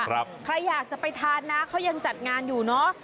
ใครอยากจะไปทานนะเขายังจัดงานอยู่เนอะ